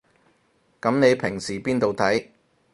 噉你平時邊度睇